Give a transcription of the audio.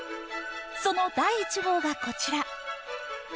その第１号がこちら。